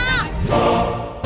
udah udah udah